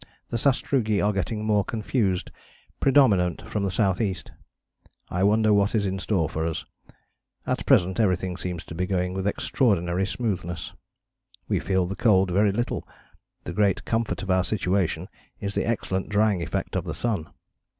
The sastrugi are getting more confused, predominant from the S.E. I wonder what is in store for us. At present everything seems to be going with extraordinary smoothness.... We feel the cold very little, the great comfort of our situation is the excellent drying effect of the sun....